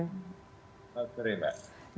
selamat sore mbak